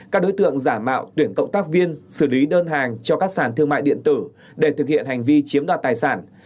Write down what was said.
các đối tượng giả mạo tuyển cộng tác viên xử lý đơn hàng cho các sản thương mại điện tử để thực hiện hành vi chiếm đoạt tài sản